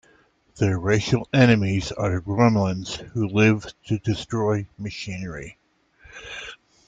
Their racial enemies are the Gremlins, who live to destroy machinery.